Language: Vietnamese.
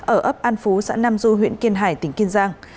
ở ấp an phú xã nam du huyện kiên hải tỉnh kiên giang